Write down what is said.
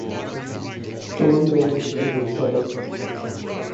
Storm Damaged and repaired.